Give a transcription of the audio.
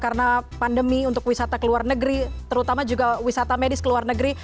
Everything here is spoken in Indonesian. karena pandemi untuk wisata ke luar negeri terutama juga wisata medis ke luar negeri